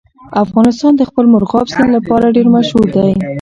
افغانستان د خپل مورغاب سیند لپاره ډېر مشهور دی.